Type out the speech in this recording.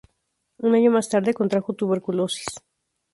Un año más tarde, contrajo tuberculosis.